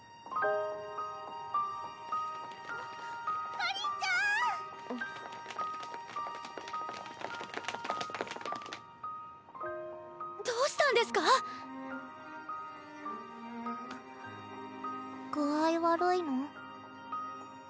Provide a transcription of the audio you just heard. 果林ちゃん！どうしたんですか⁉具合悪いの？